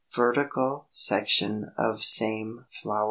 Vertical section of same flower.